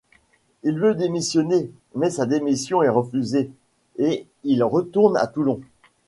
Il veut démissionner, mais sa démission est refusée, et il retourne à Toulon.